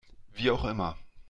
Wie auch immer.